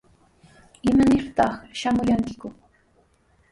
¿Imanirtaq shamuyankiku?